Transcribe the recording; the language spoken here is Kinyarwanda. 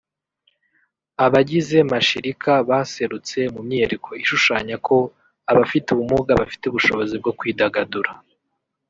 Abagize Mashirika baserutse mu myiyereko ishushanya ko abafite ubumuga bafite ubushobozi bwo kwidagadura